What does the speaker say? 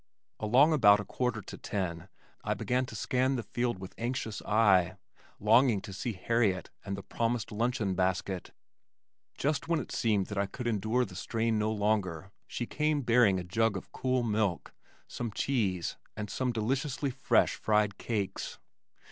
Along about a quarter to ten, I began to scan the field with anxious eye, longing to see Harriet and the promised luncheon basket. Just when it seemed that I could endure the strain no longer she came bearing a jug of cool milk, some cheese and some deliciously fresh fried cakes.